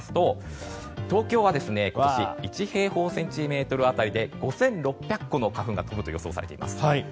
東京は今年１平方センチメートル当たりで５６００個の花粉が飛ぶと予想されています。